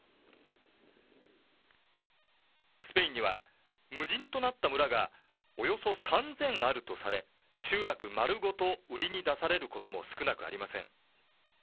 スペインには無人となった村がおよそ３０００あるとされ、集落丸ごと売りに出されることも少なくありません。